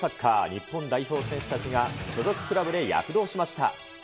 日本代表選手たちが所属クラブで躍動しました。